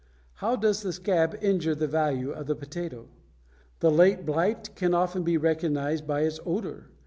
How does the scab injure the value of the potato? The late blight can often be recognized by its odor.